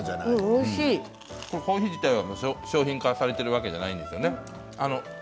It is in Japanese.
コーヒー自体は商品化されてるわけではないんですよね。